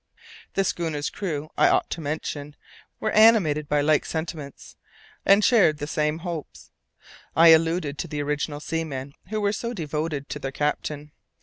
The schooner's crew, I ought to mention, were animated by the like sentiments, and shared the same hopes. I allude to the original seamen who were so devoted to their captain.